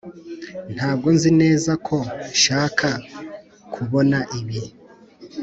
ntabwo nzi neza ko nshaka kubona ibi.